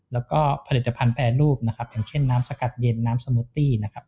แล้วก็ผลิตภัณฑ์แปรรูปนะครับอย่างเช่นน้ำสกัดเย็นน้ำสมูตตี้นะครับ